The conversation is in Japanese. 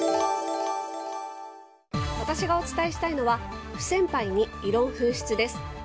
私がお伝えしたいのは不戦敗に異論噴出です。